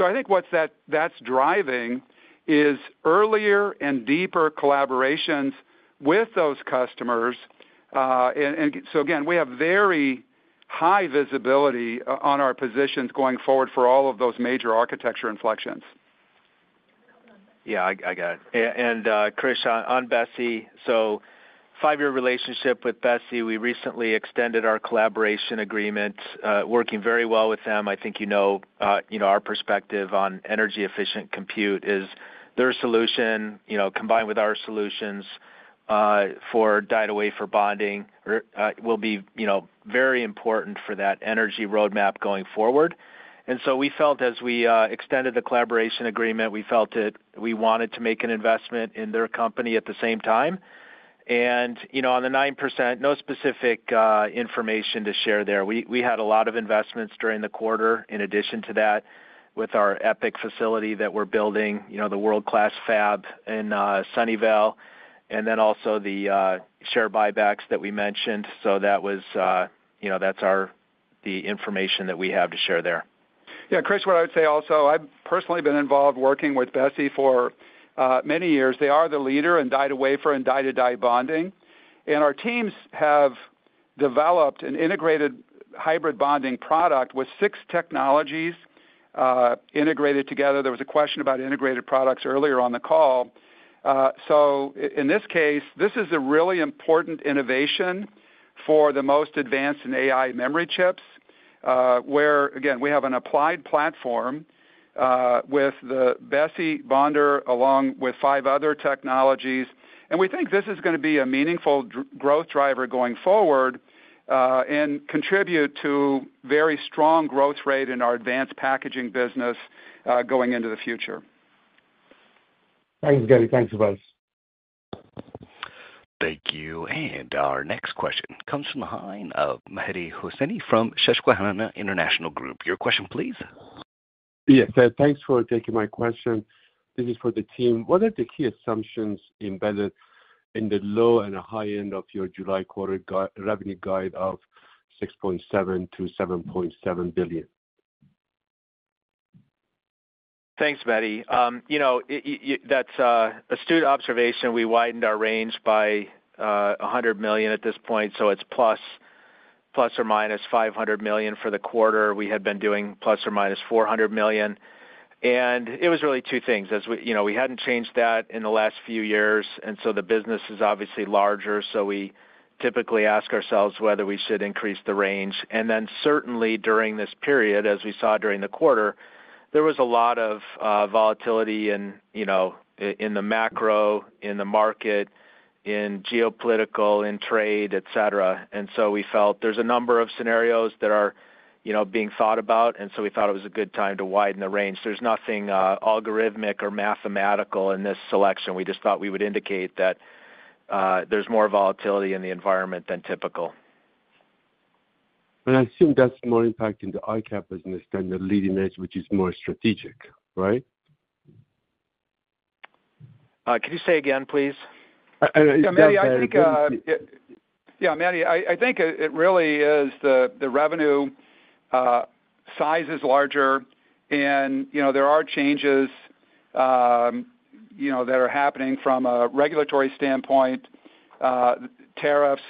[SPEAKER 3] I think what that's driving is earlier and deeper collaborations with those customers. We have very high visibility on our positions going forward for all of those major architecture inflections.
[SPEAKER 4] Yeah, I got it. And Krish, on Besi, so five-year relationship with Besi. We recently extended our collaboration agreement, working very well with them. I think you know our perspective on energy-efficient compute is their solution combined with our solutions for die-to-wafer for bonding will be very important for that energy roadmap going forward. We felt, as we extended the collaboration agreement, we wanted to make an investment in their company at the same time. And on the 9%, no specific information to share there. We had a lot of investments during the quarter in addition to that with our EPIC facility that we're building, the world-class fab in Sunnyvale, and also the share buybacks that we mentioned. That is the information that we have to share there.
[SPEAKER 3] Yeah. Krish, what I would say also, I've personally been involved working with Besi for many years. They are the leader in die-to-wafer for die-to-die bonding. Our teams have developed an integrated hybrid bonding product with six technologies integrated together. There was a question about integrated products earlier on the call. In this case, this is a really important innovation for the most advanced in AI memory chips where, again, we have an Applied platform with the Besi bonder along with five other technologies. We think this is going to be a meaningful growth driver going forward and contribute to a very strong growth rate in our advanced packaging business going into the future.
[SPEAKER 11] Thanks, Gary. Thanks, Brice.
[SPEAKER 1] Thank you. Our next question comes from Mehdi Hosseini from Susquehanna International Group. Your question, please.
[SPEAKER 12] Yes. Thanks for taking my question. This is for the team. What are the key assumptions embedded in the low and high end of your July quarter revenue guide of $6.7 billion-$7.7 billion?
[SPEAKER 4] Thanks, Mehdi. That's an astute observation. We widened our range by $100 million at this point. So it's ±$500 million for the quarter. We had been doing ±$400 million. It was really two things. We hadn't changed that in the last few years. The business is obviously larger. We typically ask ourselves whether we should increase the range. Certainly during this period, as we saw during the quarter, there was a lot of volatility in the macro, in the market, in geopolitical, in trade, etc. We felt there's a number of scenarios that are being thought about. We thought it was a good time to widen the range. There's nothing algorithmic or mathematical in this selection. We just thought we would indicate that there's more volatility in the environment than typical.
[SPEAKER 12] I assume that's more impacting the ICAPS business than the leading edge, which is more strategic, right?
[SPEAKER 4] Can you say again, please?
[SPEAKER 3] Mehdi, I think. Yeah, Mehdi, I think it really is the revenue size is larger. There are changes that are happening from a regulatory standpoint, tariffs,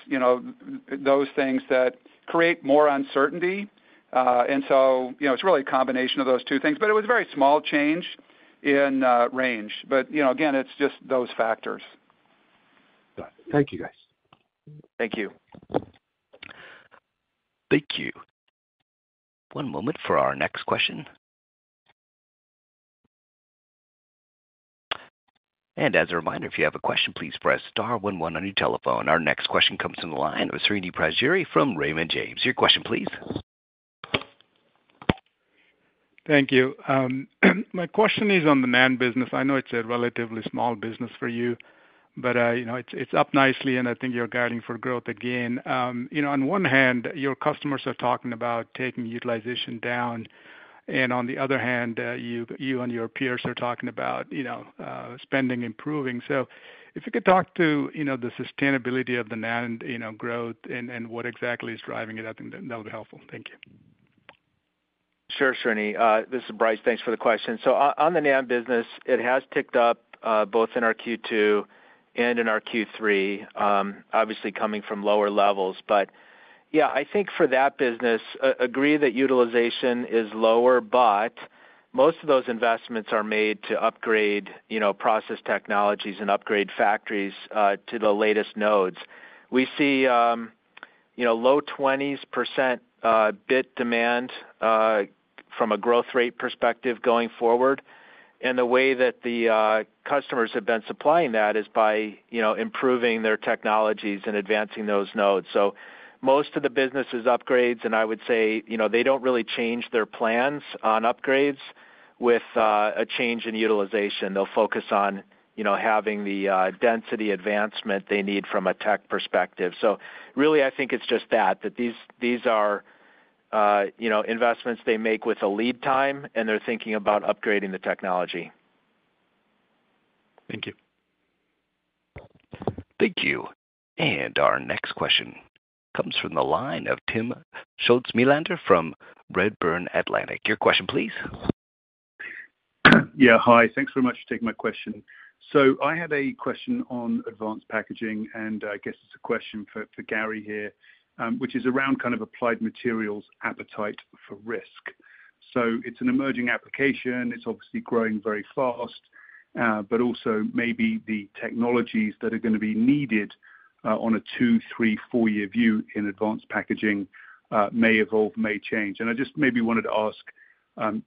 [SPEAKER 3] those things that create more uncertainty. It is really a combination of those two things. It was a very small change in range. Again, it is just those factors.
[SPEAKER 12] Got it. Thank you, guys.
[SPEAKER 4] Thank you.
[SPEAKER 1] Thank you. One moment for our next question. As a reminder, if you have a question, please press star 11 on your telephone. Our next question comes from the line of Srini Pajjuri from Raymond James. Your question, please.
[SPEAKER 13] Thank you. My question is on the NAND business. I know it's a relatively small business for you, but it's up nicely, and I think you're guiding for growth again. On one hand, your customers are talking about taking utilization down. On the other hand, you and your peers are talking about spending improving. If you could talk to the sustainability of the NAND growth and what exactly is driving it, I think that would be helpful. Thank you.
[SPEAKER 4] Sure, Srini. This is Brice. Thanks for the question. On the NAND business, it has ticked up both in our Q2 and in our Q3, obviously coming from lower levels. Yeah, I think for that business, agree that utilization is lower, but most of those investments are made to upgrade process technologies and upgrade factories to the latest nodes. We see low 20s% bit demand from a growth rate perspective going forward. The way that the customers have been supplying that is by improving their technologies and advancing those nodes. Most of the business is upgrades, and I would say they do not really change their plans on upgrades with a change in utilization. They will focus on having the density advancement they need from a tech perspective. I think it's just that these are investments they make with a lead time, and they're thinking about upgrading the technology.
[SPEAKER 13] Thank you.
[SPEAKER 1] Thank you. Our next question comes from the line of Timm Schulze-Melander from Redburn Atlantic. Your question, please.
[SPEAKER 14] Yeah. Hi. Thanks very much for taking my question. I had a question on advanced packaging, and I guess it's a question for Gary here, which is around kind of Applied Materials' appetite for risk. It's an emerging application. It's obviously growing very fast, but also maybe the technologies that are going to be needed on a two-, three-, four-year view in advanced packaging may evolve, may change. I just maybe wanted to ask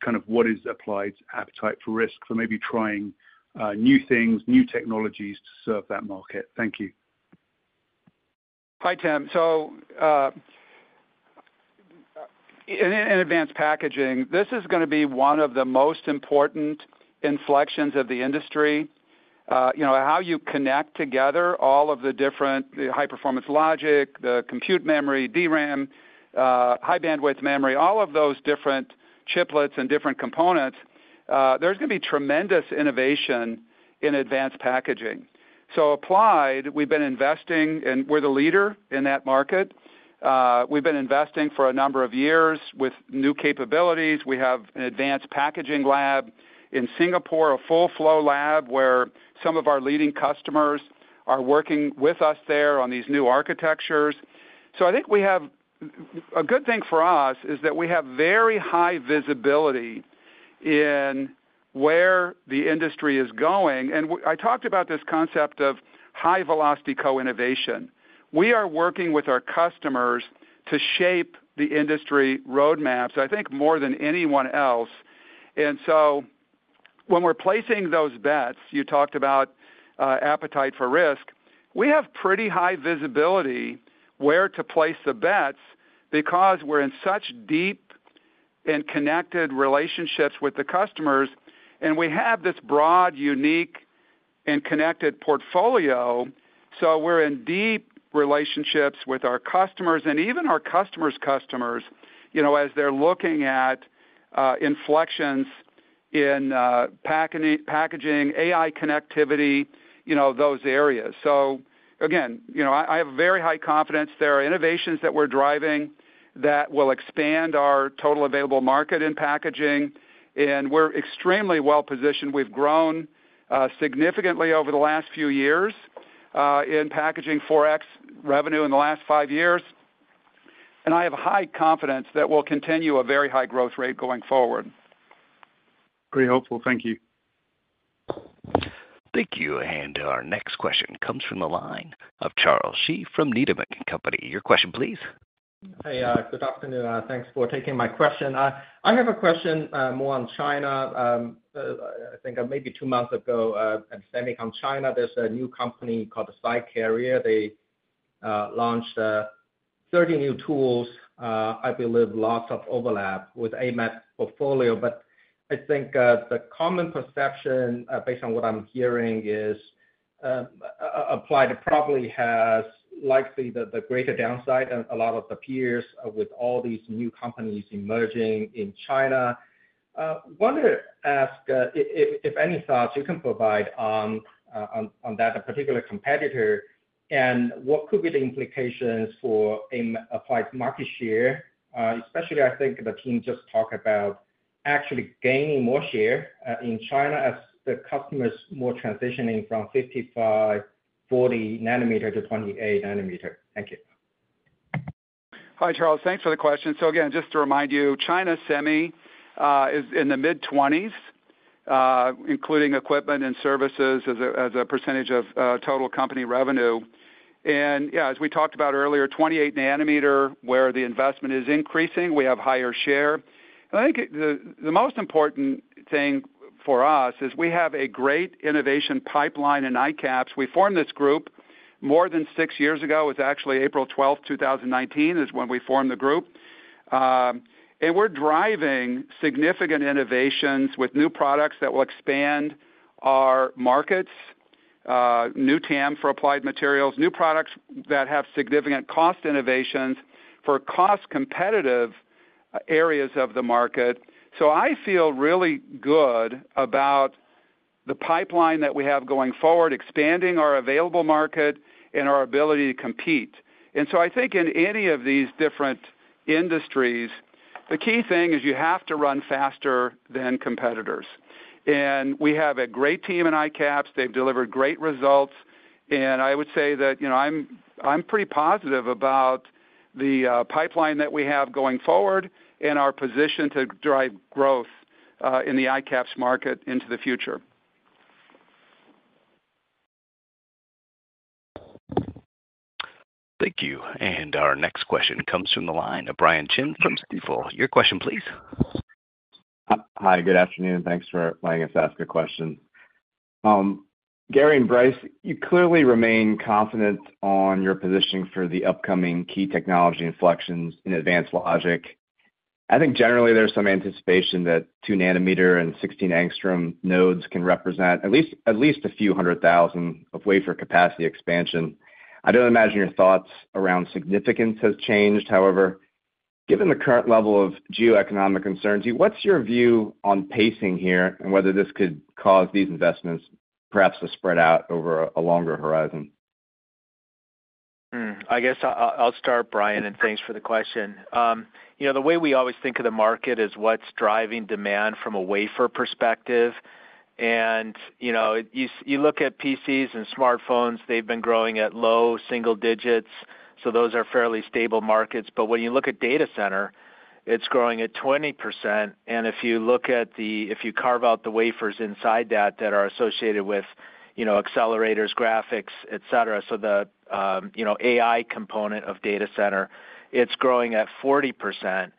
[SPEAKER 14] kind of what is Applied's appetite for risk for maybe trying new things, new technologies to serve that market. Thank you.
[SPEAKER 3] Hi, Timm. In advanced packaging, this is going to be one of the most important inflections of the industry. How you connect together all of the different high-performance logic, the compute memory, DRAM, high-bandwidth memory, all of those different chiplets and different components, there is going to be tremendous innovation in advanced packaging. At Applied, we've been investing, and we're the leader in that market. We've been investing for a number of years with new capabilities. We have an advanced packaging lab in Singapore, a full-flow lab where some of our leading customers are working with us there on these new architectures. I think a good thing for us is that we have very high visibility in where the industry is going. I talked about this concept of high-velocity co-innovation. We are working with our customers to shape the industry roadmaps, I think more than anyone else. When we're placing those bets, you talked about appetite for risk, we have pretty high visibility where to place the bets because we're in such deep and connected relationships with the customers, and we have this broad, unique, and connected portfolio. We're in deep relationships with our customers and even our customers' customers as they're looking at inflections in packaging, AI connectivity, those areas. I have very high confidence there are innovations that we're driving that will expand our total available market in packaging. We're extremely well positioned. We've grown significantly over the last few years in packaging, 4X revenue in the last five years. I have high confidence that we'll continue a very high growth rate going forward.
[SPEAKER 14] Very helpful. Thank you.
[SPEAKER 1] Thank you. Our next question comes from the line of Charles Shi from Needham & Company. Your question, please.
[SPEAKER 15] Hey, good afternoon. Thanks for taking my question. I have a question more on China. I think maybe two months ago, I'm centering on China, there's a new company called SiCarrier. They launched 30 new tools, I believe, lots of overlap with AMAT portfolio. I think the common perception, based on what I'm hearing, is Applied probably has likely the greater downside than a lot of the peers with all these new companies emerging in China. I want to ask if any thoughts you can provide on that particular competitor and what could be the implications for Applied market share, especially I think the team just talked about actually gaining more share in China as the customers more transitioning from 55, 40 nm to 28 nm. Thank you.
[SPEAKER 3] Hi, Charles. Thanks for the question. Again, just to remind you, China Semi is in the mid-20s, including equipment and services as a percentage of total company revenue. Yeah, as we talked about earlier, 28 nm where the investment is increasing, we have higher share. I think the most important thing for us is we have a great innovation pipeline in ICAPS. We formed this group more than six years ago. It was actually April 12, 2019, is when we formed the group. We're driving significant innovations with new products that will expand our markets, new TAM for Applied Materials, new products that have significant cost innovations for cost-competitive areas of the market. I feel really good about the pipeline that we have going forward, expanding our available market and our ability to compete. I think in any of these different industries, the key thing is you have to run faster than competitors. We have a great team in ICAPS. They've delivered great results. I would say that I'm pretty positive about the pipeline that we have going forward and our position to drive growth in the ICAPS market into the future.
[SPEAKER 1] Thank you. Our next question comes from the line of Brian Chin from Stifel. Your question, please.
[SPEAKER 16] Hi, good afternoon. Thanks for letting us ask a question. Gary and Brice, you clearly remain confident on your positioning for the upcoming key technology inflections in advanced logic. I think generally there's some anticipation that 2 nm and 16 angstrom nodes can represent at least a few hundred thousand of wafer capacity expansion. I don't imagine your thoughts around significance has changed. However, given the current level of geoeconomic concerns, what's your view on pacing here and whether this could cause these investments perhaps to spread out over a longer horizon?
[SPEAKER 4] I guess I'll start, Brian, and thanks for the question. The way we always think of the market is what's driving demand from a wafer perspective. You look at PCs and smartphones, they've been growing at low single digits. Those are fairly stable markets. When you look at data center, it's growing at 20%. If you carve out the wafers inside that that are associated with accelerators, graphics, etc., so the AI component of data center, it's growing at 40%.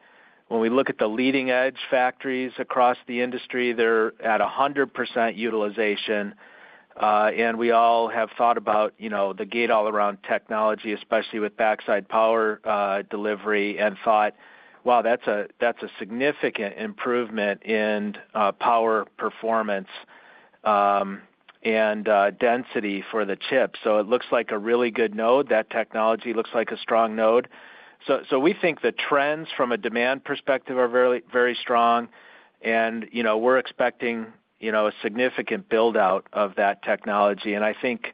[SPEAKER 4] When we look at the leading edge factories across the industry, they're at 100% utilization. We all have thought about the gate-all-around technology, especially with backside power delivery, and thought, "Wow, that's a significant improvement in power, performance, and density for the chip." It looks like a really good node. That technology looks like a strong node. We think the trends from a demand perspective are very strong. We are expecting a significant buildout of that technology. I think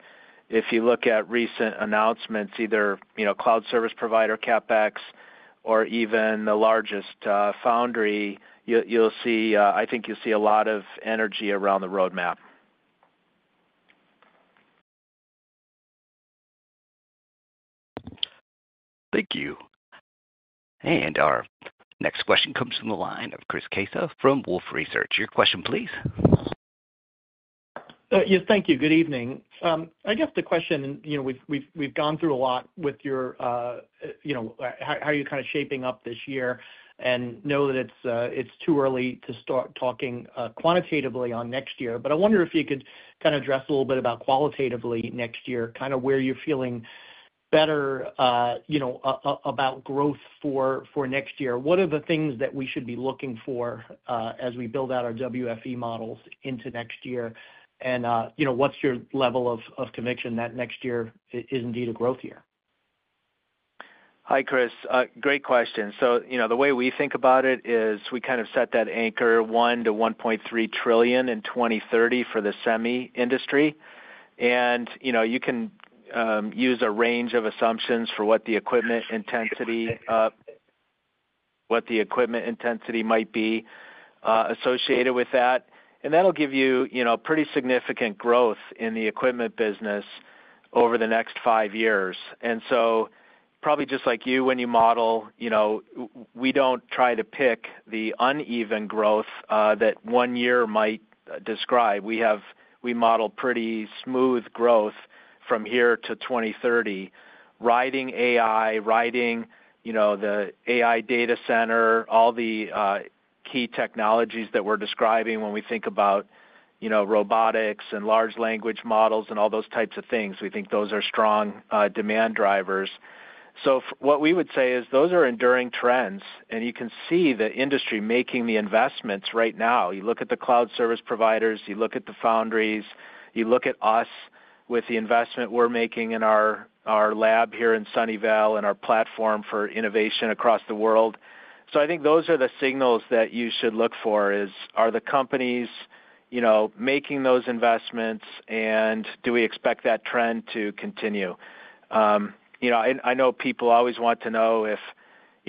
[SPEAKER 4] if you look at recent announcements, either cloud service provider CapEx or even the largest foundry, I think you will see a lot of energy around the roadmap.
[SPEAKER 1] Thank you. Our next question comes from the line of Chris Caso from Wolfe Research. Your question, please.
[SPEAKER 17] Yes, thank you. Good evening. I guess the question, and we've gone through a lot with your how are you kind of shaping up this year and know that it's too early to start talking quantitatively on next year. I wonder if you could kind of address a little bit about qualitatively next year, kind of where you're feeling better about growth for next year. What are the things that we should be looking for as we build out our WFE models into next year? What's your level of conviction that next year is indeed a growth year?
[SPEAKER 4] Hi, Chris. Great question. The way we think about it is we kind of set that anchor $1 trillion to $1.3 trillion in 2030 for the semi industry. You can use a range of assumptions for what the equipment intensity might be associated with that. That will give you pretty significant growth in the equipment business over the next five years. Probably just like you when you model, we do not try to pick the uneven growth that one year might describe. We model pretty smooth growth from here to 2030, riding AI, riding the AI data center, all the key technologies that we are describing when we think about robotics and large language models and all those types of things. We think those are strong demand drivers. What we would say is those are enduring trends. You can see the industry making the investments right now. You look at the cloud service providers, you look at the foundries, you look at us with the investment we're making in our lab here in Sunnyvale and our platform for innovation across the world. I think those are the signals that you should look for: are the companies making those investments and do we expect that trend to continue? I know people always want to know if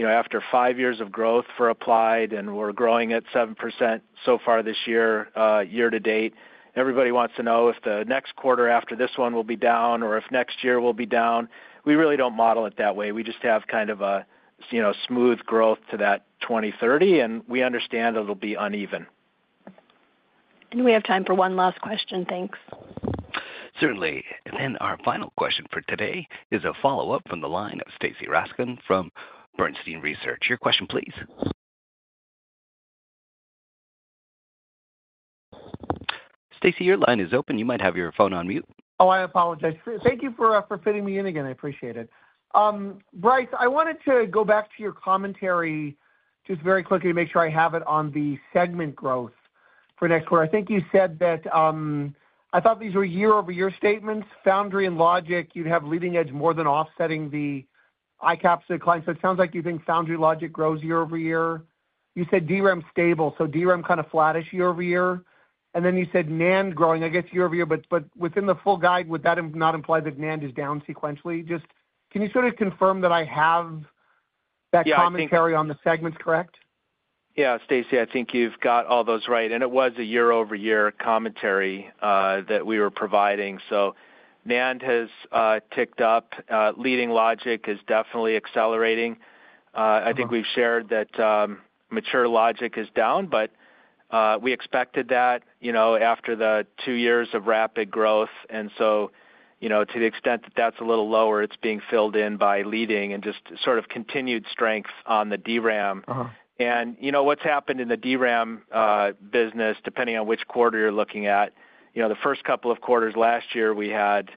[SPEAKER 4] after five years of growth for Applied and we're growing at 7% so far this year, year to date, everybody wants to know if the next quarter after this one will be down or if next year will be down. We really do not model it that way. We just have kind of a smooth growth to that 2030, and we understand it will be uneven.
[SPEAKER 2] We have time for one last question. Thanks.
[SPEAKER 1] Certainly. Our final question for today is a follow-up from the line of Stacy Rasgon from Bernstein Research. Your question, please. Stacy, your line is open. You might have your phone on mute.
[SPEAKER 5] Oh, I apologize. Thank you for fitting me in again. I appreciate it. Brice, I wanted to go back to your commentary just very quickly to make sure I have it on the segment growth for next quarter. I think you said that I thought these were year-over-year statements. Foundry and logic, you'd have leading edge more than offsetting the ICAPS clients. It sounds like you think foundry logic grows year over year. You said DRAM stable, so DRAM kind of flattish year over year. Then you said NAND growing, I guess, year over year, but within the full guide, would that not imply that NAND is down sequentially? Can you sort of confirm that I have that commentary on the segments correct?
[SPEAKER 4] Yeah, Stacy, I think you've got all those right. It was a year-over-year commentary that we were providing. NAND has ticked up. Leading logic is definitely accelerating. I think we've shared that mature logic is down, but we expected that after the two years of rapid growth. To the extent that that's a little lower, it's being filled in by leading and just sort of continued strength on the DRAM. What's happened in the DRAM business, depending on which quarter you're looking at, the first couple of quarters last year, we had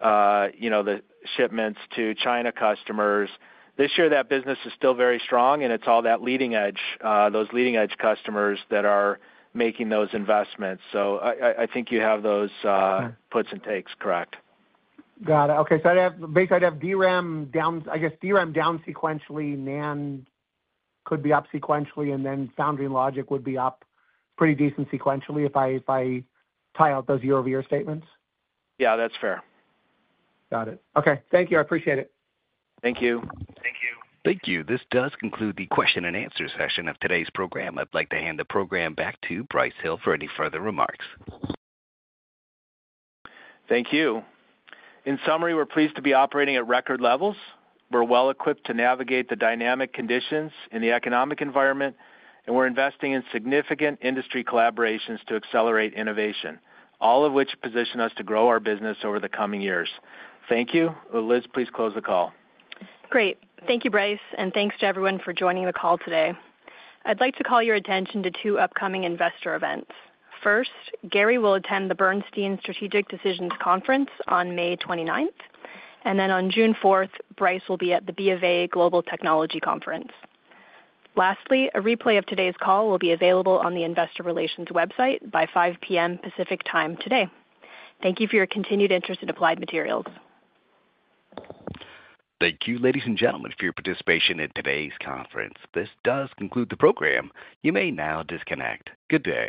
[SPEAKER 4] the shipments to China customers. This year, that business is still very strong, and it's all that leading edge, those leading edge customers that are making those investments. I think you have those puts and takes, correct.
[SPEAKER 5] Got it. Okay. So I'd have basically I'd have DRAM down, I guess DRAM down sequentially, NAND could be up sequentially, and then foundry logic would be up pretty decent sequentially if I tie out those year-over-year statements.
[SPEAKER 4] Yeah, that's fair.
[SPEAKER 5] Got it. Okay. Thank you. I appreciate it.
[SPEAKER 4] Thank you. Thank you.
[SPEAKER 1] Thank you. This does conclude the question and answer session of today's program. I'd like to hand the program back to Brice Hill for any further remarks.
[SPEAKER 4] Thank you. In summary, we're pleased to be operating at record levels. We're well equipped to navigate the dynamic conditions in the economic environment, and we're investing in significant industry collaborations to accelerate innovation, all of which position us to grow our business over the coming years. Thank you. Liz, please close the call.
[SPEAKER 2] Great. Thank you, Brice, and thanks to everyone for joining the call today. I would like to call your attention to two upcoming investor events. First, Gary will attend the Bernstein Strategic Decisions Conference on May 29th. Then on June 4th, Brice will be at the BofA Global Technology Conference. Lastly, a replay of today's call will be available on the investor relations website by 5:00 P.M. Pacific Time today. Thank you for your continued interest in Applied Materials.
[SPEAKER 1] Thank you, ladies and gentlemen, for your participation in today's conference. This does conclude the program. You may now disconnect. Good day.